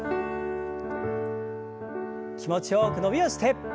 気持ちよく伸びをして。